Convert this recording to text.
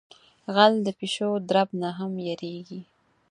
غل د پیشو درب نہ ھم یریگی.